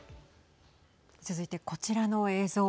続いて、こちらの映像。